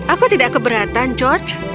aku tidak keberatan george